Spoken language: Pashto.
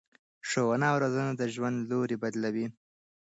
ښوونه او روزنه د ژوند لوری بدلوي.